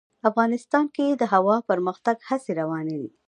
افغانستان کې د هوا د پرمختګ هڅې روانې دي.